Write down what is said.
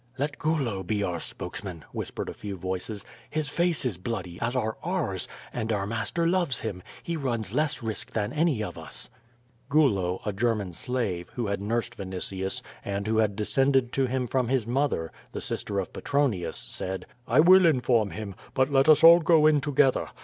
"Let Gulo be our spokesman,'^ whispered a few voices; ^Hiis 88 QUO VADIi^, face is bloody, as are ours, and our master loves him; he runs less risk than any of us/' Gulo, a German slave, who had nursed Vinitius, and who had descended to him from his mother, the sister of Petro nius, said: "I will inform him. But let us all go in together.